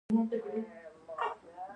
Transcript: د کابل باغ بالا تیموري باغ دی